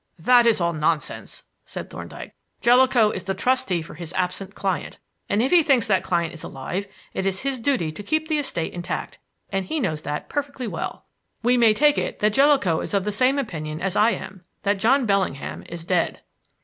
"That is all nonsense," said Thorndyke. "Jellicoe is the trustee for his absent client, and, if he thinks that client is alive, it is his duty to keep the estate intact; and he knows that perfectly well. We may take it that Jellicoe is of the same opinion as I am: that John Bellingham is dead."